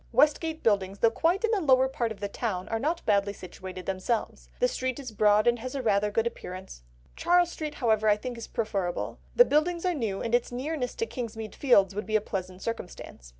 Westgate Buildings, though quite in the lower part of the town, are not badly situated themselves. The street is broad and has rather a good appearance. Charles Street, however, I think is preferable. The buildings are new, and its nearness to Kingsmead Fields would be a pleasant circumstance.